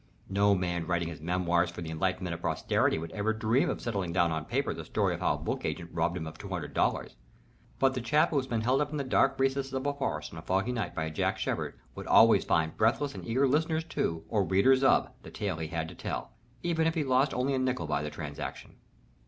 No man writing his memoirs for the enlightenment of posterity would ever dream of setting down upon paper the story of how a book agent robbed him of two hundred dollars, but the chap who has been held up in the dark recesses of a forest on a foggy night by a Jack Sheppard would always find breathless and eager listeners to or readers of the tale he had to tell, even if he lost only a nickel by the transaction."